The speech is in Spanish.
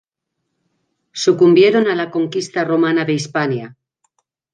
Sucumbieron a la conquista romana de Hispania.